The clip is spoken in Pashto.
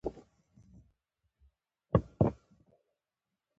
شنه فصلونه د امید نښه ده.